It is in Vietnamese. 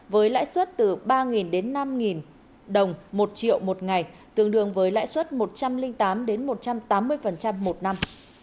với lãi suất từ ba đến năm đồng một triệu một ngày tương đương với lãi suất một trăm linh tám một trăm tám mươi một năm